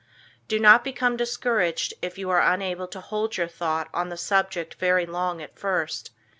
Do not become discouraged, if you are unable to hold your thought on the subject very long at first.